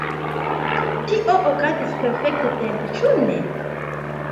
Tio okazis perfekt-tempe, ĉu ne?